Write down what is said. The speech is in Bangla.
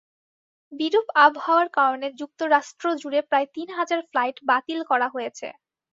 বিরূপ আবহাওয়ার কারণে যুক্তরাষ্ট্রজুড়ে প্রায় তিন হাজার ফ্লাইট বাতিল করা হয়েছে।